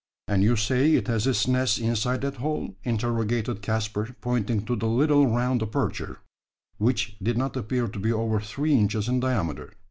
"And you say it has its nest inside that hole?" interrogated Caspar, pointing to the little round aperture, which did not appear to be over three inches in diameter.